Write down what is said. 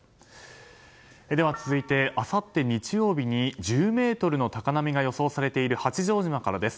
続いて、あさって日曜日に１０ｍの高波が予想されている八丈島からです。